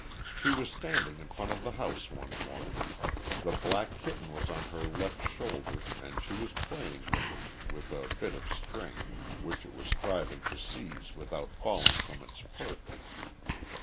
She was standing in front of the house one morning. The black kitten was on her left shoulder and she was playing with it with a bit of string, which it was striving to seize without falling from its perch.